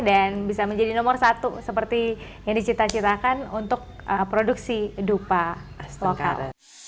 dan bisa menjadi nomor satu seperti yang dicita citakan untuk produksi dupa lokal